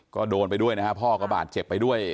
ก็โดนไปด้วยนะฮะพ่อก็บาดเจ็บไปด้วย